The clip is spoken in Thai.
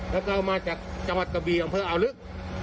แล้วก็เอามาจากจังหวัดกะบีอำเภออ่าวลึก